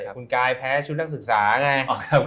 คุณกายแพ้ชุดนักศึกษาไง